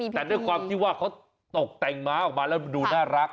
แต่ด้วยความที่ว่าเขาตกแต่งม้าออกมาแล้วดูน่ารัก